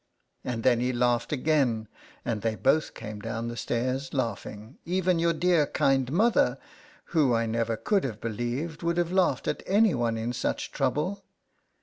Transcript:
and then he laughed again, and they both came down the stairs laughing, even your dear kind mother, who I never could have believed would laugh at any one in such trouble.